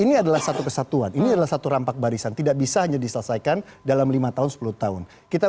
ini adalah satu kesatuan ini adalah satu rampak barisan tidak bisa hanya diselesaikan dalam lima tahun sepuluh tahun kita